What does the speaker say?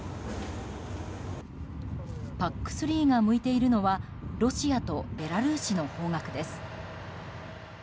ＰＡＣ３が向いているのはロシアとベラルーシの方角です。